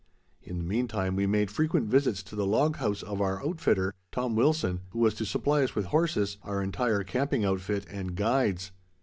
In the meantime, we made frequent visits to the log house of our outfitter, Tom Wilson, who was to supply us with horses, our entire camping outfit, and guides.